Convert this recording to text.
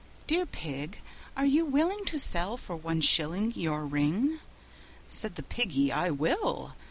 III. "Dear Pig, are you willing to sell for one shilling Your ring?" Said the Piggy, "I will."